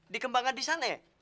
dikembangkan di sana ya